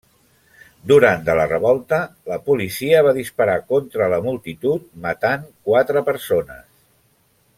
Durant de la revolta la policia va disparar contra la multitud, matant quatre persones.